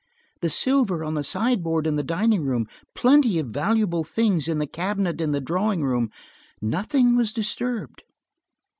The silver on the sideboard in the dining room, plenty of valuable things in the cabinet in the drawing room–nothing was disturbed."